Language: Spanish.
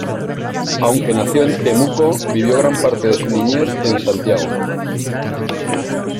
Aunque nació en Temuco, vivió gran parte de su niñez en Santiago.